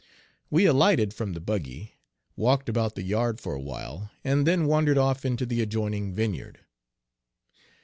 We alighted from the buggy, walked about the yard for a while, and then wandered off into the adjoining vineyard.